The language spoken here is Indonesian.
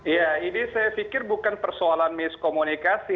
ya ini saya pikir bukan persoalan miskomunikasi